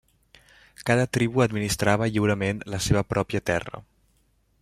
Cada tribu administrava lliurement la seva pròpia terra.